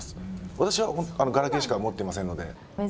私は、ガラケーしか持ってませんので。